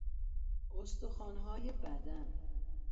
استخوانهای بدن